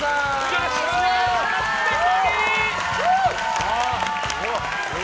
よろしくお願いします！